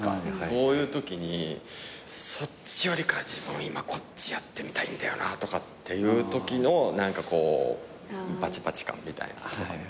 そういうときにそっちよりか自分今こっちやってみたいんだよなとかっていうときのバチバチ感みたいな。